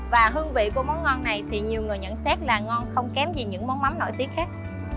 và hương vị của món ngon này thì nhiều người nhận xét là ngon không kém gì những món mắm nổi tiếng khác